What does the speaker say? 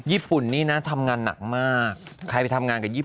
ญี่ปุ่นนี่นะทำงานหนักมากใครไปทำงานกับญี่